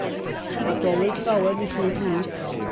Nadolig Llawen i chi i gyd.